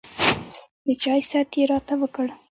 د چاے ست يې راته وکړو